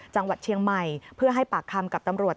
จังหวัดเชียงใหม่เพื่อให้ปากคำกับตำรวจ